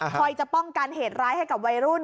จะป้องกันเหตุร้ายให้กับวัยรุ่น